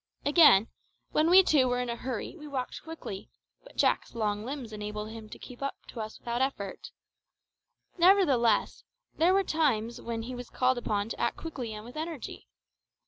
Again, when we two were in a hurry we walked quickly, but Jack's long limbs enabled him to keep up with us without effort. Nevertheless there were times when he was called upon to act quickly and with energy.